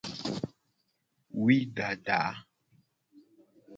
Wui dada.